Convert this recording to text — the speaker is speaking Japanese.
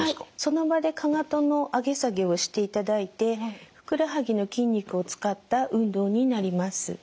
その場でかかとの上げ下げをしていただいてふくらはぎの筋肉を使った運動になります。